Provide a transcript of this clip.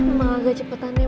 emang agak cepetan nih